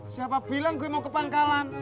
siapa bilang gue mau ke pangkalan